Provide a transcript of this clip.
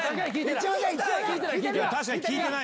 確かに聞いてない。